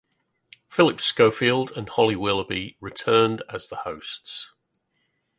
Phillip Schofield and Holly Willoughby returned as the hosts.